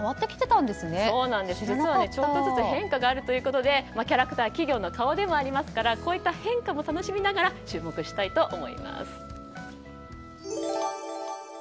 ちょっとずつ変化があるということでキャラクター、企業の顔でもありますからこういった変化も楽しみながら注目したいと思います。